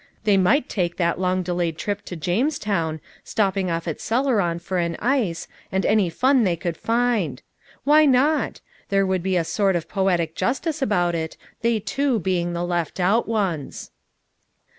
They might take that long delayed trip to Jamestown, stopping off at Celeron for an ice, and any fun they could find. Why not? There would be a sort of poetic justice about it, they two being the left out ones.